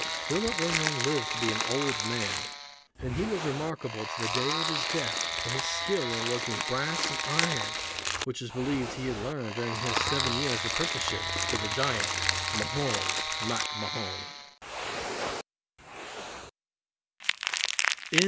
Philip Ronayne lived to be an old man; and he was remarkable to the day of his death for his skill in working brass and iron, which it was believed he had learned during his seven years' apprenticeship to the giant Mahon MacMahon.